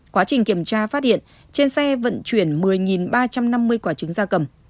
quá trình kiểm tra phát hiện trên xe vận chuyển một mươi ba trăm năm mươi quả trứng da cầm